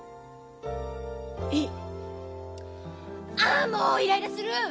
あもうイライラする！